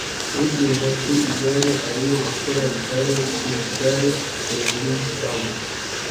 Ugenda ku igare arimo akora igare ku igare hejuru yishyamba